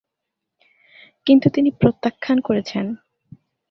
কিন্তু তিনি প্রত্যাখ্যান করেছেন।